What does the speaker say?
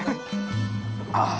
ああ！